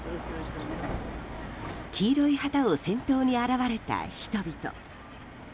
黄色い旗を先頭に現れた人々。